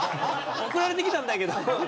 送られてきたんだけど。